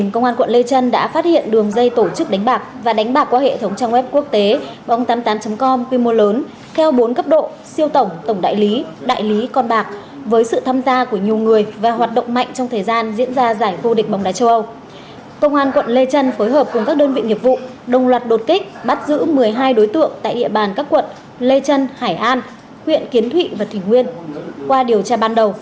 công an quận lê trân tp hải phòng vừa tạm giữ hình sự tám đối tượng về hành vi tổ chức đánh bạc và đánh bạc qua hình thức cá độ lên trên hai trăm linh tỷ đồng